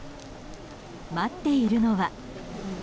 待っているのは。